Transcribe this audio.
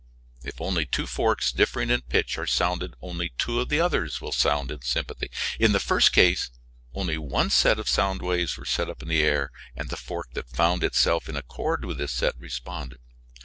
If only two forks differing in pitch are sounded only two of the others will sound in sympathy. In the first case only one set of sound waves were set up in the air, and the fork that found itself in accord with this set responded.